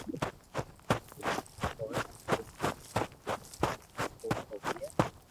ھوئي ھين جلدو مون ئورو ھوئي